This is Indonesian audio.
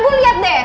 bu liat deh